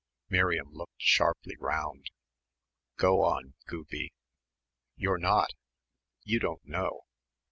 Miriam looked sharply round. "Go on, Gooby." "You're not. You don't know.